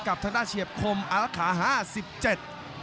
กับท่านหน้าเฉียบคมอาคาร๕๗